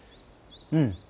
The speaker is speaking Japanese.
うん。